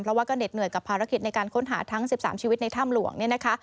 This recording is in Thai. เพราะว่าก็เหน็ดเหนื่อยกับภารกิจในการค้นหาทั้ง๑๓ชีวิตในถ้ำหลวงเนี่ยนะคะ